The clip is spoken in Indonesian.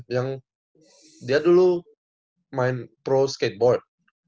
yang dia dulu main pro skateboard